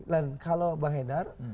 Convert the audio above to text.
dan kalau bang hedar